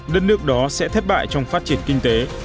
đất nước đó sẽ thất bại trong phát triển kinh tế